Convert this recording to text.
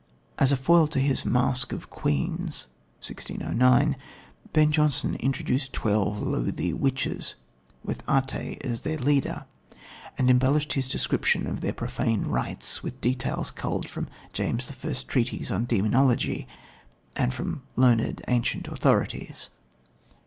As a foil to his Masque of Queens (1609) Ben Jonson introduced twelve loathly witches with Até as their leader, and embellished his description of their profane rites, with details culled from James I.'s treatise on Demonology and from learned ancient authorities.